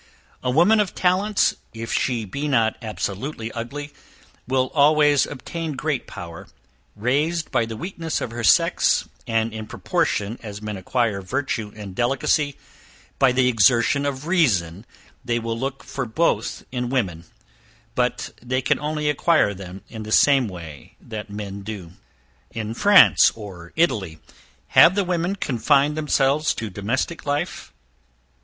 A woman of talents, if she be not absolutely ugly, will always obtain great power, raised by the weakness of her sex; and in proportion as men acquire virtue and delicacy: by the exertion of reason, they will look for both in women, but they can only acquire them in the same way that men do. In France or Italy have the women confined themselves to domestic life?